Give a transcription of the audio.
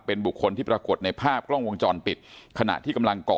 เป็นบุคคลที่ปรากฏในภาพกล้องวงจรปิดขณะที่กำลังก่อ